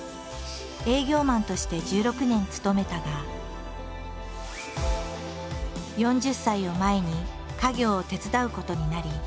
営業マンとして１６年勤めたが４０歳を前に家業を手伝うことになり会社を退職。